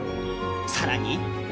更に。